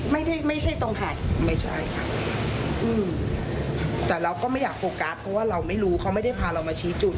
ไม่ใช่ไม่ใช่ตรงหายไม่ใช่ค่ะอืมแต่เราก็ไม่อยากโฟกัสเพราะว่าเราไม่รู้เขาไม่ได้พาเรามาชี้จุด